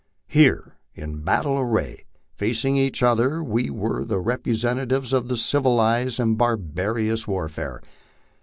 Here in battle array, facing each other, were the repre sentatives of civilized and barbarous warfare.